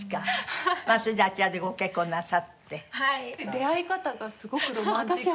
出会い方がすごくロマンチックで。